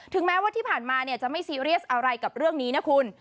แม้ว่าที่ผ่านมาจะไม่ซีเรียสอะไรกับเรื่องนี้นะคุณ